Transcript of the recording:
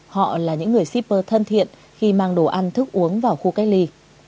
họ là những người shipper thân thiện khi mang đồ ăn thức uống vào khu cách ly